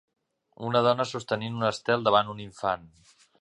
Una dona sostenint un estel davant un infant.